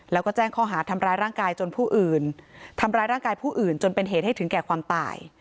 แล้วก็แจ้งข้อหาทำร้ายร่างกายจนผู้อื่นทำร้ายร่างกายผู้อื่นจนเป็นเหตุให้ถึงแก่ความตาย